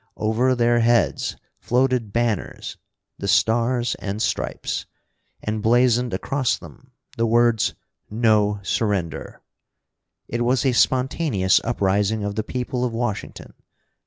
Over their heads floated banners the Stars and Stripes, and, blazoned across them the words, "No Surrender." It was a spontaneous uprising of the people of Washington.